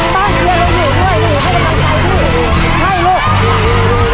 เวลาไม้จำเป็นไงลูก